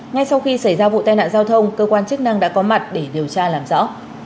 ngay sau khi xảy ra vụ tai nạn giao thông cơ quan chức năng đã có mặt để điều tra làm rõ